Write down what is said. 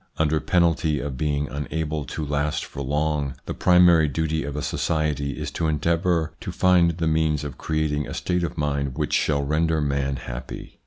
Under penalty of being unable to last for long, the primary duty of a society is to endeavour to find the means of creating a state of mind which shall render man happy.